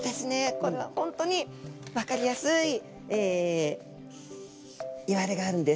これは本当に分かりやすいいわれがあるんです。